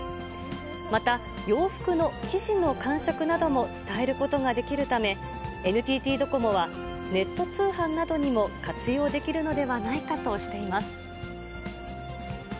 また、洋服の生地の感触なども伝えることができるため、ＮＴＴドコモは、ネット通販などにも活用できるのではないかとしています。